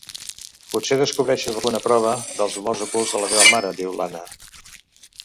Potser descobreixes alguna prova dels amors ocults de la teva mare — diu l'Anna.